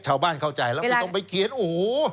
ชาวบ้านเข้าใจแล้วไม่ต้องไปเขียนโอ้โห